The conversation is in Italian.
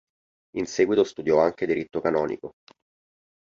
In seguito studiò anche diritto canonico.